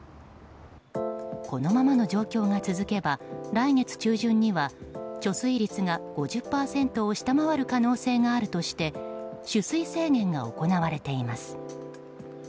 このままの状況が続けば来月中旬には貯水率が５０％を下回る可能性があるとして取水制限が行われています。